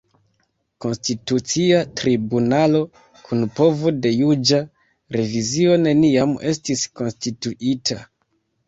Konstitucia Tribunalo kun povo de juĝa revizio neniam estis konstituita.